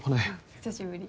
久しぶり。